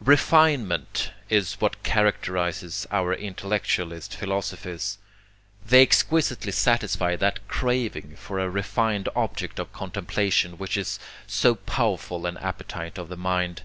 REFINEMENT is what characterizes our intellectualist philosophies. They exquisitely satisfy that craving for a refined object of contemplation which is so powerful an appetite of the mind.